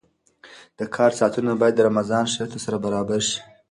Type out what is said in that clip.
د کار ساعتونه باید د رمضان شرایطو سره برابر شي.